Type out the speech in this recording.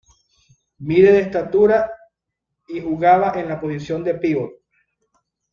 Mide de estatura y jugaba en la posición de pívot.